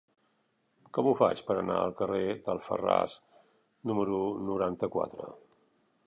Com ho faig per anar al carrer d'Alfarràs número noranta-quatre?